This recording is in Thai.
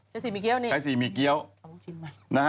จากกระแสของละครกรุเปสันนิวาสนะฮะ